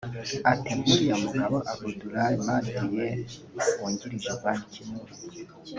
Ati «Nk’uriya mugabo Abdoulaye Mar Dieye wungirije Ban Ki-Moon